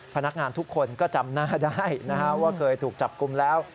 พนักงานทุกคนก็จำหน้าได้ว่าเคยถูกจับกลุ่มแล้ว